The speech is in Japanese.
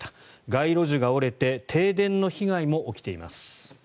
街路樹が折れて停電の被害も起きています。